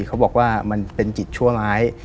เขาบอกว่ามันเป็นจิตชั่วร้าย